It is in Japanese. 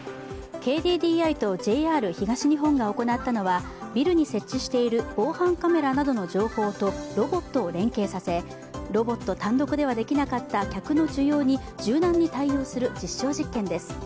ＫＤＤＩとＪＲ東日本が行ったのは、ビルに設置している防犯カメラなどの情報とロボットを連携させロボット単独ではできなかった客の需要に柔軟に対応する実証実験です。